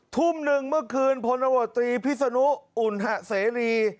ทุ่มหนึ่งเมื่อคืนพลนโรตรีพิษนุอุณเสรี